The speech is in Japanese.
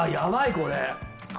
これ。